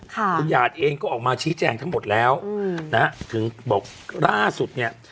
คุณหยาดเองก็ออกมาชี้แจงทั้งหมดแล้วนะฮะถึงบอกล่าสุดเนี่ย